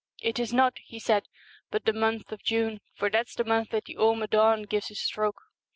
" It is not," he said ;" but the month of June, for that's the month that the Ama ddn gives his stroke